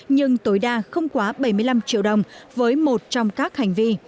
nhưng tối đa không quá bảy mươi năm triệu đồng với một trong các hành vi